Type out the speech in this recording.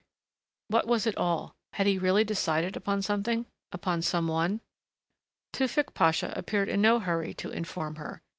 What was it all? Had he really decided upon something? Upon some one? Tewfick Pasha appeared in no hurry to inform her.